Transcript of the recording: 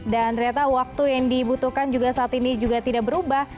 dan ternyata waktu yang dibutuhkan juga saat ini juga tidak berubah